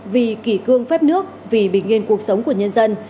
vì kỷ cương phép nước vì bình yên cuộc sống của nhân dân